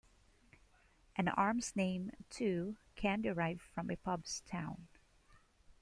An "arms" name, too, can derive from a pub's town.